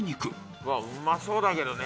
うわっうまそうだけどね。